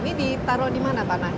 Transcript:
ini ditaro dimana panahnya